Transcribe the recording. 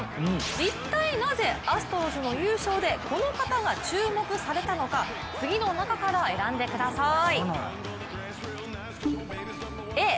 一体なぜアストロズの優勝でこの方が注目されたのか次の中から選んでください。